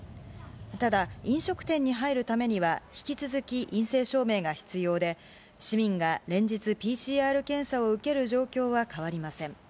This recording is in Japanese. ただ、飲食店に入るためには、引き続き陰性証明が必要で、市民が連日、ＰＣＲ検査を受ける状況は変わりません。